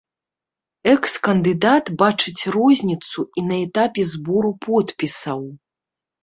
Экс-кандыдат бачыць розніцу і на этапе збору подпісаў.